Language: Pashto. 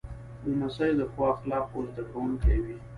لمسی د ښو اخلاقو زده کوونکی وي.